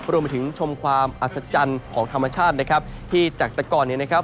รวมไปถึงชมความอัศจรรย์ของธรรมชาตินะครับที่จากแต่ก่อนเนี่ยนะครับ